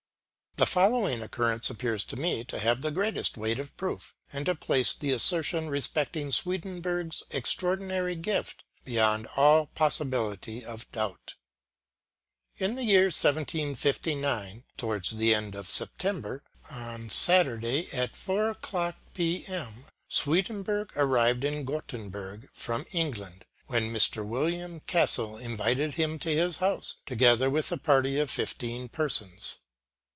" The following occurrence appears to me to have the greatest weight of proof, and to place the assertion respecting Swedenborg's extraordinary gift beyond all possibility of doubt. " In the year 1759, towards the end of September, on Saturday at four o'clock p.m., Swedenborg arrived at Gottenburg from England, when Mr. William Castel invited him to his house, together with a party of fifteen persons.